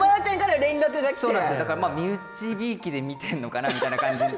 身内びいきで見ているのかな？っていう感じ。